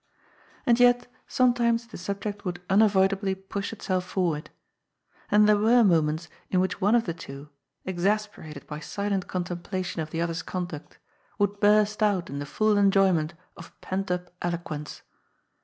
And yet sometimes the subject would unavoid ably push itself forward. And there were moments in which one of the two, exasperated by silent contemplation of the TREATS OP RELIGION. 189 other's conduct, would burst out in the full enjoyment of pent up eloquence.